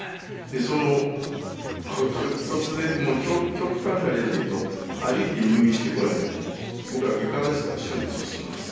そのこと突然もう極端な例で言うと歩いて入院してこられて僕らは外科ですから手術をします。